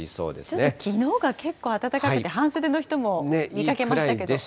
ちょっときのうが結構暖かくて、半袖の人も見かけましたけど。